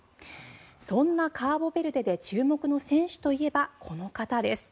そんなカボベルデで注目の選手といえばこの方です。